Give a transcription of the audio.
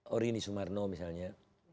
orini sumarno misalnya